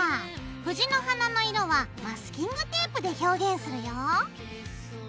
藤の花の色はマスキングテープで表現するよ。